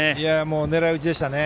狙い打ちでしたね。